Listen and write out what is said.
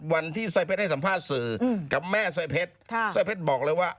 วันที่สร้อยเพชรให้สัมภาษณ์สื่อกับแม่สร้อยเพชรสร้อยเพชรบอกเลยว่า